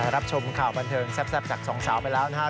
รับชมข่าวบันเทิงแซ่บจากสองสาวไปแล้วนะครับ